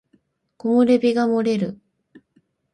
木漏れ日が漏れる